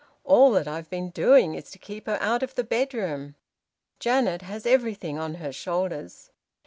All that I've been doing is to keep her out of the bedroom. Janet has everything on her shoulders.